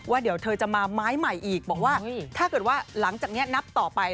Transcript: เดี๋ยวเธอจะมาไม้ใหม่อีกบอกว่าถ้าเกิดว่าหลังจากนี้นับต่อไป